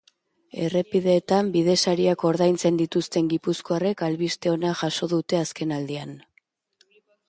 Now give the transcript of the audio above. Errepideetan, bide sariak ordaintzen dituzten gipuzkoarrek albiste ona jaso dute azkenaldian.